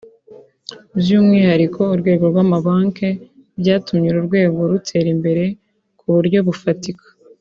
by’umwihariko urwego rw’amabanki byatumye uru rwego rutera imbere ku buryo bufatika